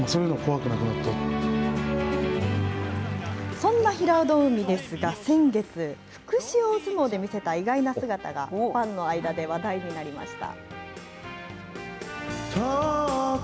そんな平戸海ですが、先月、福祉大相撲で見せた意外な姿が、ファンの間で話題になりました。